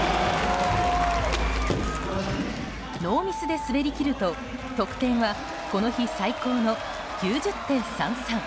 ノーミスで滑り切ると得点はこの日最高の９０．３３。